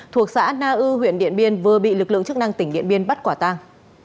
thuộc xã na ư huyện điện biên vừa bị lực lượng chức năng tỉnh điện biên bắt quả tang